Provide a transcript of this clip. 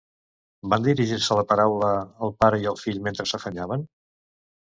Van dirigir-se la paraula el pare i fill mentre s'afanyaven?